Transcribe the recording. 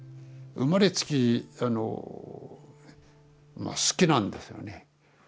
生まれつきあのまあ好きなんですよね。